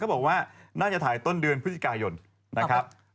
บอกว่าน่าจะถ่ายต้นเดือนพฤศจิกายนนะครับ